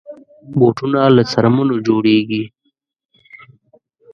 بوټونه له څرمنو جوړېږي.